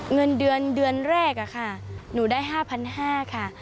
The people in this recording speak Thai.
เงินเดือนเดือนแรกค่ะหนูได้๕๕๐๐บาทค่ะ